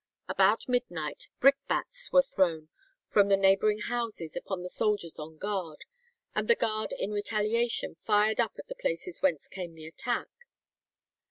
About midnight brickbats were thrown from the neighbouring houses upon the soldiers on guard; and the guard in retaliation fired up at the places whence came the attack.